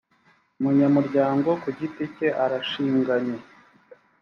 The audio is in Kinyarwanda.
umunyamuryango ku giti cye arashinganye